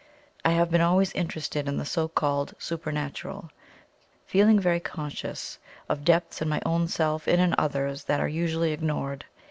I have been always interested in the so called Supernatural, feeling very conscious of depths in my own self and in others that are usually ignored.